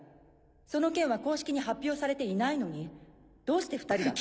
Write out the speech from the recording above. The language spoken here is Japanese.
その件は公式に発表されていないのにどうして２人だと？